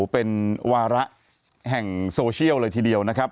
เป็นวาระแห่งโซเชียลเลยทีเดียวนะครับ